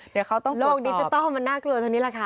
เดี๋ยวเขาต้องตรวจสอบโลกดิจาต้อมันน่ากลัวทีนี้แหละค่ะ